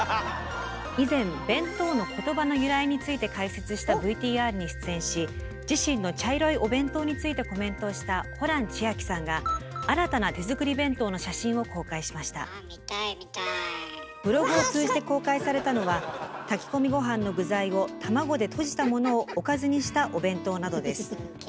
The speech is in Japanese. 以前「弁当」の言葉の由来について解説したＶＴＲに出演し自身の茶色いお弁当についてコメントをしたホラン千秋さんがブログを通じて公開されたのは炊き込みごはんの具材を卵でとじたものをおかずにしたお弁当などです。